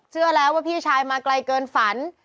เชื่อแล้วว่าพี่ชายมาไกลเกินฝัน